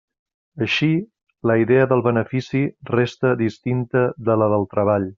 Així, la idea del benefici resta distinta de la del treball.